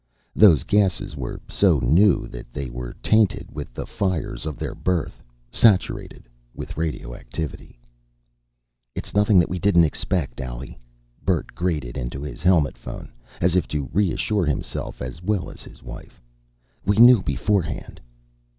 Those gases were so new that they were tainted with the fires of their birth saturated with radioactivity. "It's nothing that we didn't expect, Allie," Bert grated into his helmet phone, as if to reassure himself as well as his wife. "We knew beforehand."